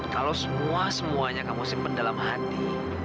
kalau semua semuanya kamu simpan dalam hati